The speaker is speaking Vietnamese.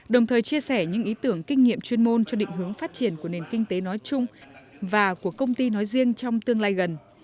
đồng thời chia sẻ những ý tưởng kinh nghiệm chuyên môn cho định hướng phát triển của nền kinh tế nói chung và của công ty nói riêng trong tương lai gần